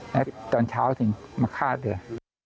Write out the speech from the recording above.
แล้วตอนเช้าถึงมาฆ่าเรือ